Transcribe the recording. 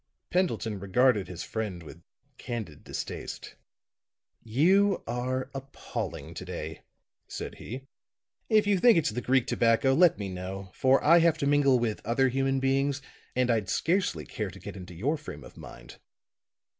Pendleton regarded his friend with candid distaste. "You are appalling to day," said he. "If you think it's the Greek tobacco, let me know. For I have to mingle with other human beings, and I'd scarcely care to get into your state of mind."